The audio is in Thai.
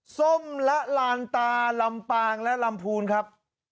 ส้มละลานตาลำปางและลำพูนครับ